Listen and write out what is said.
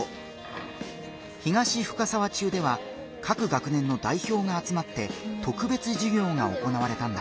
東深沢中では各学年の代表があつまって特別授業が行われたんだ。